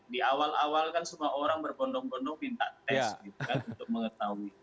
di awal awal kan semua orang berbondong bondong minta tes gitu kan untuk mengetahui